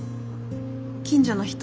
近所の人。